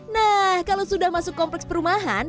nah kalau sudah masuk kompleks perumahan